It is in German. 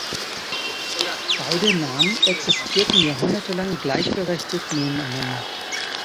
Beide Namen existierten jahrhundertelang gleichberechtigt nebeneinander.